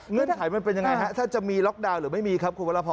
เงื่อนไขมันเป็นยังไงถ้าจะมีล็อกดาวน์หรือไม่มีครับคุณพพ